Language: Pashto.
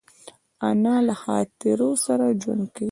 انا له خاطرو سره ژوند کوي